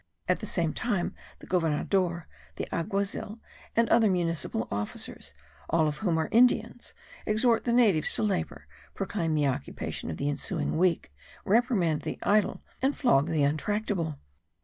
At the same time the governador, the alguazil, and other municipal officers, all of whom are Indians, exhort the natives to labour, proclaim the occupations of the ensuing week, reprimand the idle, and flog the untractable.